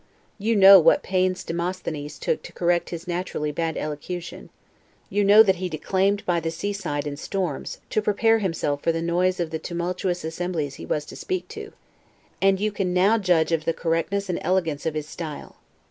You know what pains Demosthenes took to correct his naturally bad elocution; you know that he declaimed by the seaside in storms, to prepare himself for the noise of the tumultuous assemblies he was to speak to; and you can now judge of the correctness and elegance of his style.